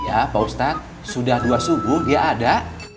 ya pak ustadz sudah dua subuh dia ada